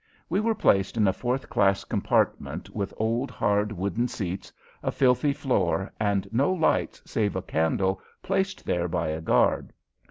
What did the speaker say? We were placed in a fourth class compartment, with old, hard, wooden seats, a filthy floor, and no lights save a candle placed there by a guard.